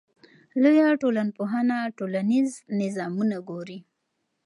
لویه ټولنپوهنه ټولنیز نظامونه ګوري.